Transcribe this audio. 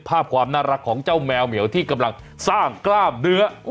ภาพความน่ารักของเจ้าแมวเหมียวที่กำลังสร้างกล้ามเนื้อ